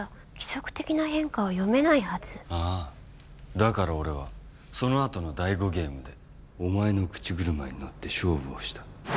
だから俺はその後の第５ゲームでお前の口車に乗って勝負をした。